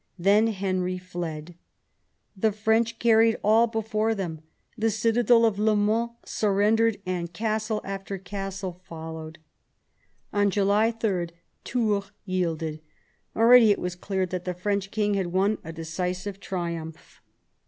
Then Henry fled. The French carried all before them. The citadel of Le Mans surren dered, and castle after castle followed. On July 3 Tours yielded. Already it was clear that the French king had won a decisive triumph.